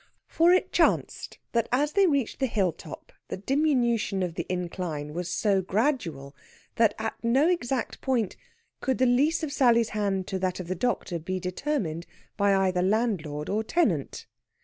For it chanced that as they reached the hill top the diminution of the incline was so gradual that at no exact point could the lease of Sally's hand to that of the doctor be determined by either landlord or tenant.